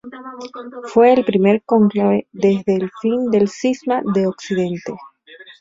Fue el primer cónclave desde el fin del Cisma de Occidente.